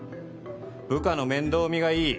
部下の面倒見がいい